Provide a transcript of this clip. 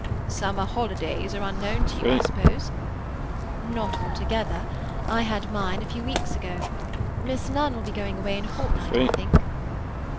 "Summer holidays are unknown to you, I suppose?" "Not altogether. I had mine a few weeks ago. Miss Nunn will be going away in a fortnight, I think."